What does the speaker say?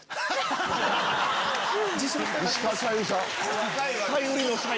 石川さゆりさん？